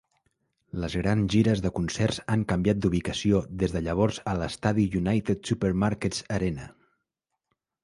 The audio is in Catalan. Les grans gires de concerts han canviat d'ubicació des de llavors a l'estadi United Supermarkets Arena.